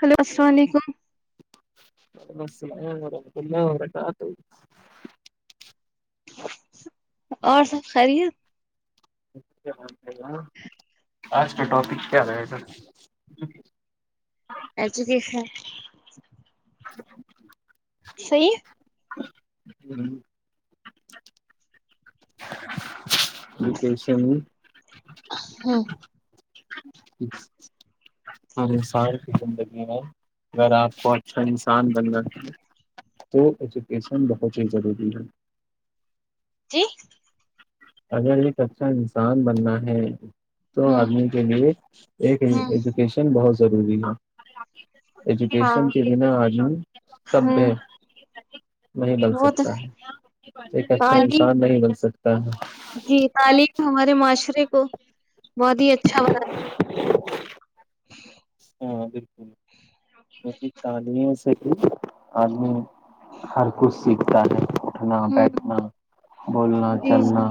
Hello السلام علیکم وعلیکم السلام ورحمۃ اللہ وبرکاتہ اور سب خری ہے آج کے ٹاپک کیا رہے گ ایجوکیشن [inaudible] صیح ہ [inaudible] وکش میں [inaudible] جی ہر انسان کی زندگی میں اگر آپ کو اچھا انسان بننااہ تو ایجوکیشن بہت ہی ضروری ہے جی اگر ایک اچھا انسان بننا ہے تو ہوں آدمی کے لیے ایک ہوں ایجوکیشن بہت ضروری ہے ہاں ایجوکیشن کے بنا عدمی سب ہے ہوں اچ نہیں بن وہ تو سکتا ہے ایک اچھا تعلیم انسان نہیں بن سکتا ہاں ہاں جی تعلیم ہمارے معاشرے کو بہت ہی اچھا بنا تھا ہاں بالکل کیک تلیم سے آدمی ہر کچھ سیکھتا ہے اھنا ہوں بیٹھنا بولنا جی چلنا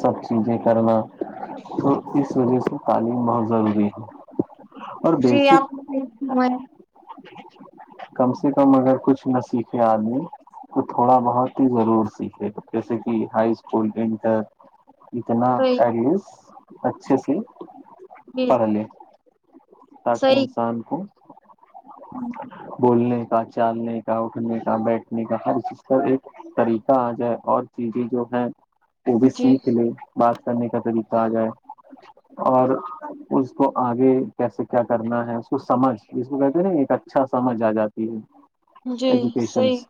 سب چیزیں کرنا تو اس وجہ سے تعلیم بہت ضروری ہے اور جی آپ بیسک کم سے کم اگر کچھ نہ سیکھے آدمی تو تھوڑا بہت ہی ضرور سیکھے جیسے کہ ہائی اسکول انٹر اتنا صحیح پیرس اچھا سے جی پارلی تاکہ صحیح انسان کو ہ بولنے کا چالنے کا اٹھنے کا بیٹھنے کا ہر چیز کا ایک طریقہ آ جائے اور چیزیں جو ہیں ا بی جی سی کے لیے بات کرنے کا طریقہ آ جائے اور اس کو آگے کیسے کیا کرنا ہے اس کو سمجھ ج کو کہتے ہیں نا ایک اچھا سمجھ آ جاتی ہے جی ایجوکیشن صحیح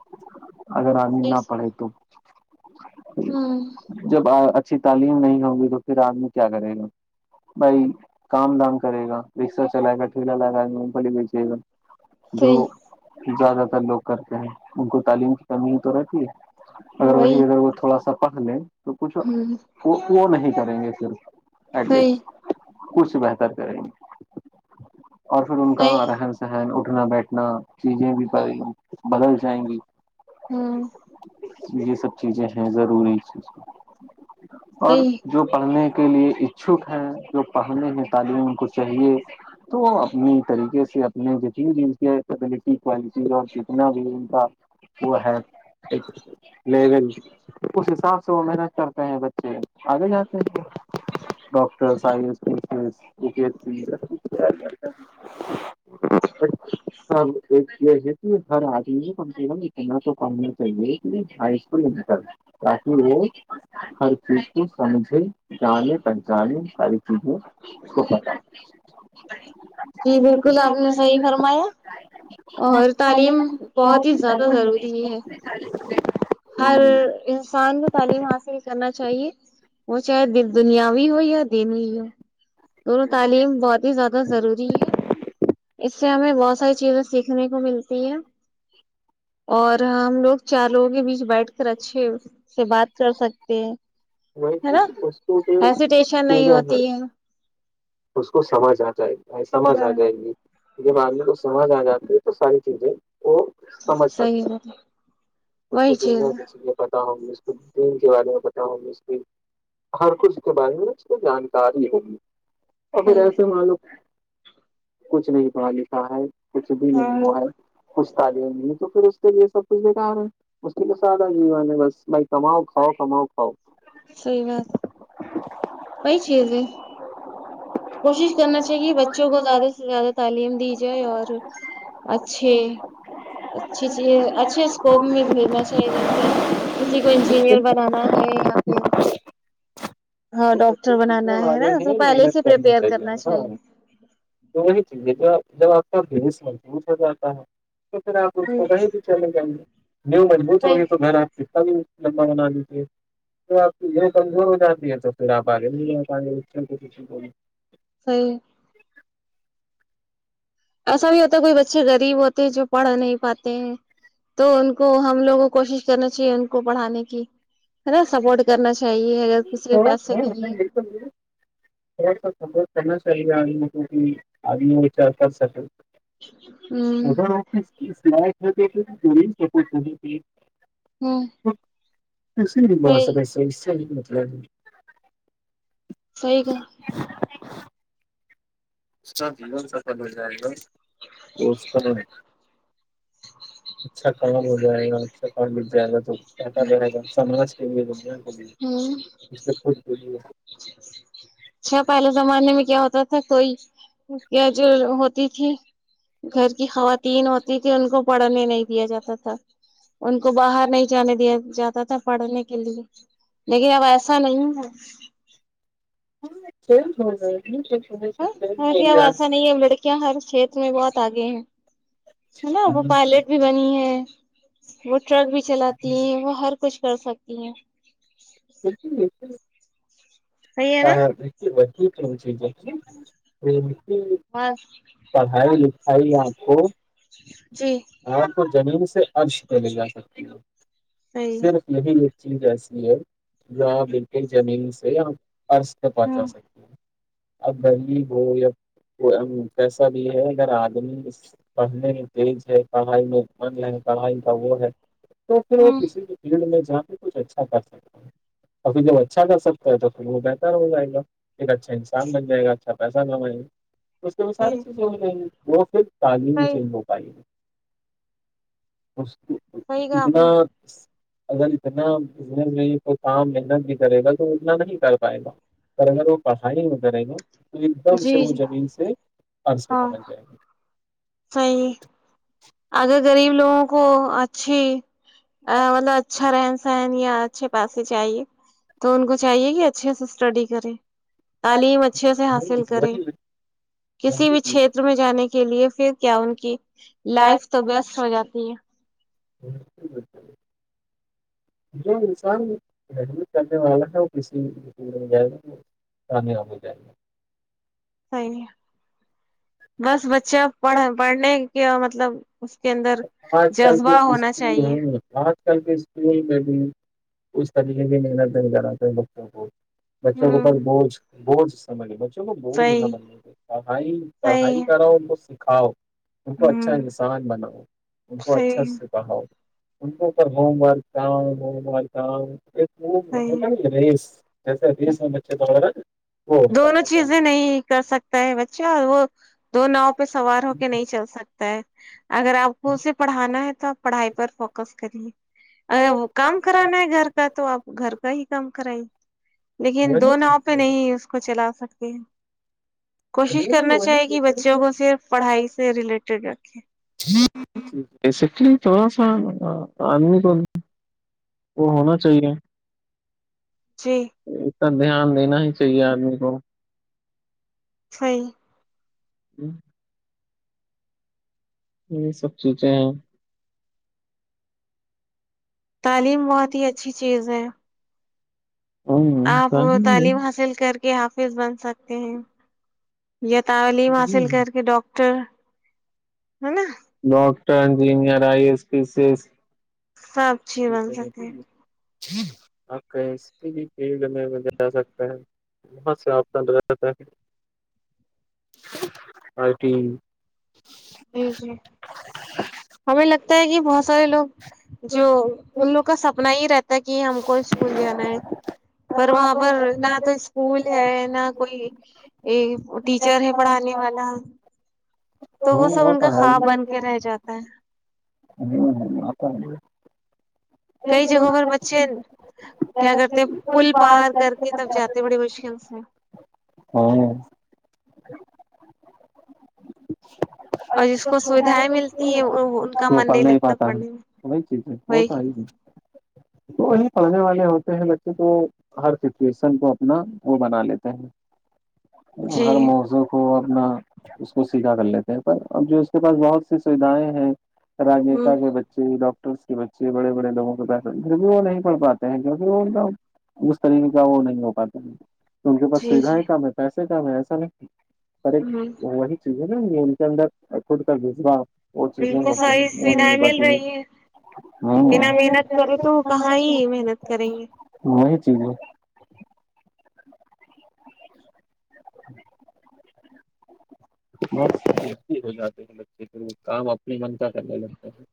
اگر آدمی صحیح نہ پڑھے تو جی ہے ہوں اچھی تعلیم نہیں ہوگی تو پھر آدمی کیا کرے گا بھائی کام دام کرے گا رکشہ چلائے گا ٹلا لگا پڑی گئی چے گا جو صحیح زیادہ تر لوگ کر ان کو تعلیم کی کمی ہی تو رہتی ہے اگر وہی اگر وہ تھوڑا سا کسلے تو کچھ ہوں وہ نہیں کریں گے صرف ایٹ لیس صحیح کچھ بہتر کریں گے اور پھر صحیح رہن سہن کرنا بیٹھنا چیزیں بھی بدل جائیں گی ہوں یہ سب چیزیں ہیں ضروری چیزیں اور صحیح جو پڑھنے کے لیے ا چھوٹ ہیں جو پڑھنے ہیں تعلیم کو چاہیے تو اپنی سے اپنے جو چین م کی فبلٹی کوالٹی اور جتنا بھی ان کا وہ ہے ایک لیول اس حساب سے سو محنت کرتے ہیں بچے آگے جاتے ہیں ڈاکٹر آئی ایس چس ا بہار کی اوج اچھ ہر آدمی کو کم سے کم اتنا تو پنا چاہیے کہ ہائ اسک کر تاکہ وہ خر کی سمج جانے پہچانے ساری چیزیں [inaudible] خ [inaudible] ج [inaudible] جی بالکل آپ نے صحیح فرمایا [unintelligible] تعلیم ہ بہت ہی زیادہ برو ضروری ہے [inaudible] ہر انسان کو تعلیم حاصل کرنا چاہیے [unintelligible] وہ چاہ دل [unintelligible] دنیا بھی ہو یا دین ہو [unintelligible] دونوں تعلیم بہت ہی زیادہ ضروری ہے اس سے ہمیں بہت ساری چیزیں سیکھنے [unintelligible] ملتی ہے اور ہم لوگ [unintelligible] چاروگے بیچ [unintelligible] بیٹھ کر اچھے سے بات کر سکتے ہیں [unintelligible] وہ چ ہے نا و پ ہیسیٹیشن کہ گ نہیں ہے ہوتی اس کو سمجھنا چاہی گے [unintelligible] ب سمجھ آ ہاں جائے گی [unintelligible] جب آدمی کو سمجھ آ جاتی ہے تو ساری چیزیں [unintelligible] سمجھ صحی سکتے بات ہے [unintelligible] اس کو وہی چیز دنیا سے اس لیے پتاؤوں گے [unintelligible] ین کے بارے میں پتا ہ گی اس کی ہر کچھ کے بارے میں اس کو جانکاری ہوگی اور پھر صحیح ایسے معلوم کچھ نہیں پڑھا لکھا ہے کچھ بھی نہیں ہاں ہوا ہے کچھ تعلیم نہیں تو پھر چلیے سب کچھ دےا رہے ہیں مشکل سے آدہ گ نے بس بھائی کماؤ کھاؤ کماؤ کھاؤ صحیح بات وہی چیز ہے کوشش کرنا چاہیے بچوں کو زیادہ سے زیادہ تعلیم دی جائے اور اچھے اچھی چیز اچھے اسکوپ میں جیسے کسی کو انجینئر بنانا ہے یا پھر ہاں وہ بچے ڈاکٹر سمجھنے بنانا ہے والے نا ہیں پہلے محنت سے پپیئر کرنا ہاں چاہیے تو وہی چیز ہے جو جب آپ کا بھیس محبوط ہو جاتا ہے تو پھر آپ اس ہ کو وہ ہی بھی چلے جائیں گے نیو مضبوت صحیح ہوگی تو بن آپ کتا لمبا بنا دیتی تو آپ کیر کمزور ہو جاتی ہے تو [inaudible] صحیح ایسا بھی ہوتا ہے کوئی بچے گ غریب ہوتے جو پڑھ نہیں پاتے ہیں تو ان کو ہم لوگوں کوشش کرنا چاہیے ان کو پڑھانے کی ہے نا سپورٹ کرنا چاہیے اگر کسی کے تھوڑا سا پاسے نہیں ہمیں ہے بالکل بھی تھوڑا [inaudible] ہ [inaudible] [inaudible] ہاں [unintelligible] [inaudible] صحیح کہا [inaudible] [unintelligible] جائےگا اکثر پانی پیہا تو [unintelligible] اچ کیاا پہلے زمانے میں کیا ہوتا تھا کوئی کیا جو ہوتی تھی گھر کی خواتین ہوتی تھی ان کو پڑھنے نہیں دیا جاتا تھا ان کو باہر نہیں جانے دیا جاتا تھا پڑھنے کے لیے لیکن اب ایسا نہیں ہے بول رہے [inaudible] ہکہ اب ایسا نہیں ہے لڑکیاں ہر چھیت میں بہت آگے ہیں نا وہ پائلٹ بھی بنی ہے وہ ٹرک بھی چلاتی ہیں وہ ہر کچھ کر سکتی ہیں صحیح ہے نا ہاں [inaudible] ٹھیک ہے ٹھیک ہے بس [inaudible] آئیے آپ کو [inaudible] آپ کو زمین سے اج لے جا سکتے ہیں صحیح صرف یہ چی ایسی ہے کے زمین سے آپ عرض پہنچا ہوں سکتی ہیں اب غریب ہو یا کیسا بھی ہے اگر آدمی پڑھنے میں تیز ہے پڑھائی میں من ہے پڑھائی کا وہ ہے تو پھر وہ ہوں کسی بھی فیلڈ میں کچھ اچھا کر سکتا ہے ابھر جب اچھا کر سکتا ہے تو وہ بہتر ہو جائے گا اچھا انسان بنائے گا اچھا پہ [inaudible] اس ساری صحیح چیزیں ہو جیں گی وہ پھر تعلییم صحیح چینج ہو پائے گی اس صحیح کہا آپ کتنا نے اگر اتنا بزنس میں کو کام محنت بھی کرے گا تو وہ اتنا نہیں کر پائے گا پر اگر وہ پھائی میں کرے گا تو ایک دم سے جی وہ جی زمین سے اب سے پہنچ جائیں گے صی اگر غریب لوگوں کو چھ مطلب اچھا رہن سہن یا اچھے پاسے چاہے تو ان کو چاہیے کہ اچھے سے اسٹڈی کرے تعلیم اچھے سے حاصل کرے کسی بھی چھیتر میں جانے کے لیے پھر کیا ان کی لائف تو بیسٹ ہو جاتی ہے [inaudible] جو انسان حج کرنے والا ہے وہ کسی کاان ہو جائے گے صحیح ہے بس بچے پڑھ پڑھنے کے مطلب مطلب اس کے اندر گا آج کل جذبہ کے ہونا اسکول چاہیے ہیں آج کل کے اسکول میں بھی اس طریقے کی محنت نہیں کراتے بچوں کو بچوں کو ہوں پاس بوجھ بورڈ سس سمے چلو بوجھ نا صحیح بننے کو پڑھائی پڑھائی صحیح کر رہا ہ ب کاؤ ان کو اچھا ہوں انسان بنا ان کو اچھا صحیح سے کہا ہو ان ہوم ورک ہو ورکں صحیح ہوتا ن ریس جیسے ریس میں بچے تو وغیرہ دونوں چیزیں نہیں کر سکتا ہے بچہ وہ دو ناؤ پہ سوار ہو کے نہیں چل سکتا ہے اگر آپ کو اسے پڑھانا ہے تو آپ پڑھائی پر فوکس کریے ا کام کرانا ہے گھر کا تو آپ گھر کا ہی کام کرائائی لیکن وہی دو ناؤ پہ چیز ہے، نہیں اس چلا س کے کوشش نہیں نہیں کرنا وہی چاہے کہ چیز بچوں ہے۔ کو صرف پڑھائی سے ریلیٹڈ رکھیں بیسکلی تھوڑا آدمی تو وہ ہونا چاہیے جی س دھیان دینا ہی چاہیے آدمی کو فی ہی یہ سب چوچیں ہیں تعلیم بہت ہی اچھی چیز ہے آپ تعلیم حاصل کر کے حافظ بن سکتے [inaudible] یہ تعلیم حاصل کر کے ڈاکٹر تو ہے نا doctor engineer I S P سس سب چیز بن سکے ہیں اک ج فیلڈ میں جا سکتا ہے بہت سے آپطن رہتا ہے آئی ٹی جی جی ہمیں لگتا ہے کہ بہت سارےوگ جو [inaudible] ان لوگ کا سپنا یہ رہتا ہے کہ ہم کو اسکول جانا ہے پر وہاں پر نہ تو اسکول نہ کوئی ٹیچر ہے پڑھانے والا تو وہ ہوں سب ان کا تو خواب بن کے رہ جاتا ہے نہیں آپ [unintelligible] کئی جگہ پر بچچے کیا کرتے پل پار کر کے تب جاتے بڑی مشکل سے ہاں [unintelligible] ملتی ہے ان کا وہ من پل نہیں لگتا پاتا پڑھنے میں ہے وہی چیز ہے وہ وہی تو ہے تو وہی پڑھنے والے ہوتے ہیں بچے تو ہر سچویشن کو اپنا وہ بنا لیتے ہیں ہر جی موضوعق ہو ا [inaudible] اپنا اس کو سیکھا کر لیتے ہیں پر اب جو اس کے پاس بہت سی سویدھائیں ہیں ہ راجنیتا کے بچے ڈاکٹر تو اس کے بچے بڑے بڑے لووں کو پ پھر بھی وہ نہیں پڑھ پاتے ہیں کیونکہ وہ ان کا مسترین کا وہ نہیں ہو پاتا ہے تو کے پس جی سویدھا جی ہی کامتا ہے سے کام ہے ایسا نہیں پر ایک ہ وہی چز نا ان کے اندر فٹ کر دس باپ ان کو ساری سویدھائیں مل رہی ہے انا محنت کرو تو کہاں ہی محنت کریں گے وہی چیز ہے ہو جاتے ہیں بچے پھر وہ کام اپنے من کا کرنے لگتا ہے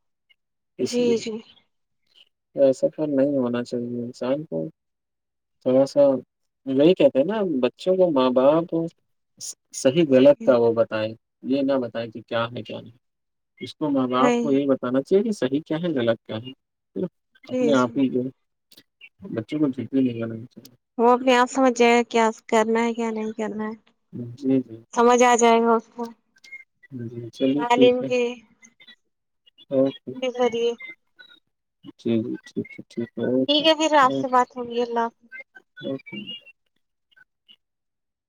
جی جی ایسا کل نہیں ہونا چاہیے انسان کو تھوڑا سا وہی کہتے ہیں نا بچوں کو ماں باپ کو صحیح غلط تھا وہ بتائیں یہ نہ بتائے کہ کیا ہے کیا نہیں اپ صحیح کو یہ بتانا چے صح کیا ہے غلگ کیا ہے اپنے جی جی آپ ہی جو بچوں کو چٹ نہیں گ وہ اپنے آپ سمجھ جائے گا کیا کرنا ہے کیا نہیں کرنا ہے جی سمجھ آ جائے گا اس [inaudible] جی جی چلیے ٹھیک تعلیم ہے کے [inaudible] ذریعے جی جی جٹھیک ھیک ٹھیک ہے پھر آپ سے بات ہوگی اللہ حافظ اورک